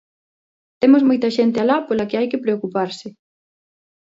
Temos moita xente alá pola que hai que preocuparse.